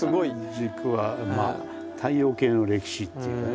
時間軸はまあ太陽系の歴史というかね